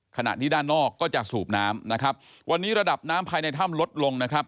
ขณะที่ด้านนอกก็จะสูบน้ำนะครับวันนี้ระดับน้ำภายในถ้ำลดลงนะครับ